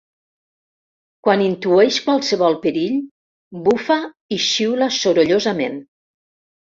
Quan intueix qualsevol perill, bufa i xiula sorollosament.